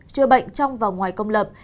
chưa bệnh trong và ngoài công lập